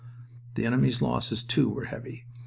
"The enemy's losses, too, were heavy.